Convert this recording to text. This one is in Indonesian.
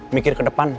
mikir ke depan